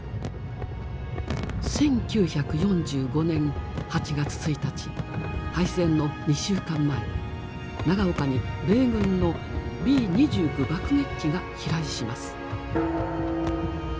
１９４５年８月１日敗戦の２週間前長岡に米軍のＢ２９爆撃機が飛来します。